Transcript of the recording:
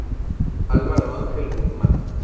Álvaro Ángel Guzmán.